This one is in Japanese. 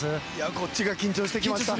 こっちが緊張してきました。